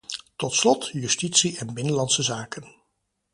Tot slot, justitie en binnenlandse zaken.